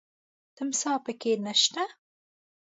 تمساح پکې نه شته .